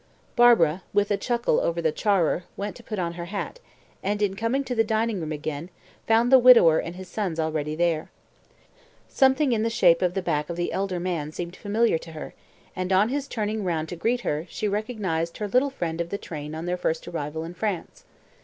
Barbara, with a chuckle over the "charer," went to put on her hat, and on coming into the dining room again, found the widower and his sons already there. Something in the shape of the back of the elder man seemed familiar to her, and on his turning round to greet her, she recognised her little friend of the train on their first arrival in France.